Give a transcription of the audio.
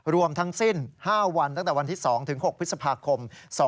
รวมทั้งสิ้น๕วันตั้งแต่วันที่๒๖พฤษภาคม๒๕๖